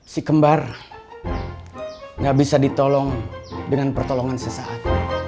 si kembar nggak bisa ditolong dengan pertolongan sesaat